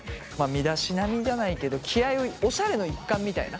身だしなみじゃないけど気合いおしゃれの一環みたいな感覚で。